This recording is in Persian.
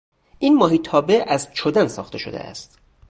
این ماهیتابه از چدن ساخته شده است.